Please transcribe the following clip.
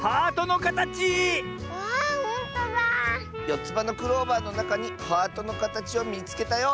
「よつばのクローバーのなかにハートのかたちをみつけたよ！」